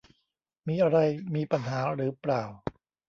มีอะไรมีปัญหาหรือเปล่า